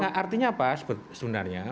nah artinya apa sebenarnya